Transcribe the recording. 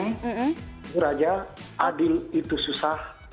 jujur saja adil itu susah